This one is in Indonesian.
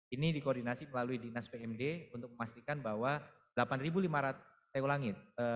ini dikoordinasi melalui dinas pmd untuk memastikan bahwa delapan lima ratus taiwangi